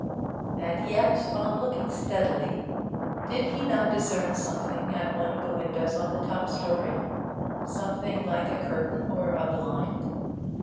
And yet, on looking steadily, did he not discern something at one of the windows on the top story something like a curtain or a blind?